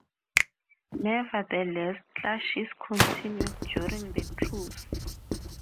Nevertheless, clashes continued during the truce.